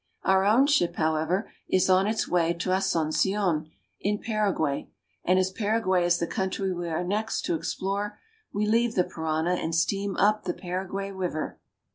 Our own ship, however, is on its way to Asuncion (a soon se on'), in Paraguay, and as Paraguay is the country we are next to explore, we leave the Parana, and steam up the Paraguay river.